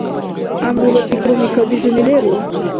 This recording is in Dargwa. ГӀямрула пикруми-кабизуни леру?